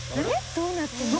どうなってるの？